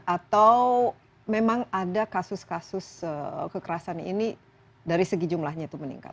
atau memang ada kasus kasus kekerasan ini dari segi jumlahnya itu meningkat